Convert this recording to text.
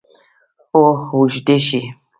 او اوږدې شي